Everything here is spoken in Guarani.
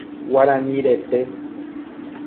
Guarani rete.